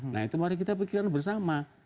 nah itu mari kita pikirkan bersama